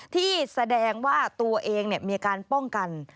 ที่แสดงว่าตัวเองมีอาการป้องกัน